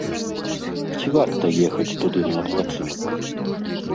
Ці варта ехаць туды на адпачынак?